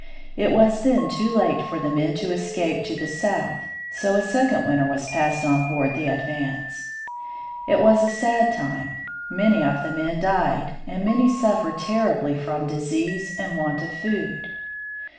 It was then too late for the men to escape to the south; so a second winter was passed on board the Advance. It was a sad time : many of the men died and many suffered terribly from disease and want of food.